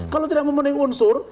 kalau tidak memenuhi unsur